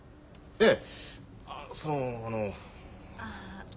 ええ？